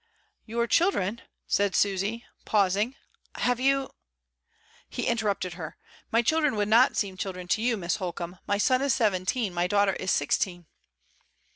"Your children?" said Susy, pausing; "have you ?" He interrupted her. "My children would not 8o MRS. DYMOND. 5eem children to you, Miss Holcombe; my son is seventeen, my daughter is sixteen."